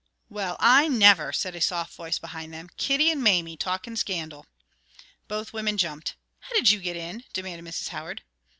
"Well, I never!" said a soft voice behind them. "Kitty and Mamie talking scandal!" Both women jumped. "How did you get in?" demanded Mrs. Howard.